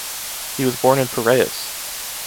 He was born in Piraeus.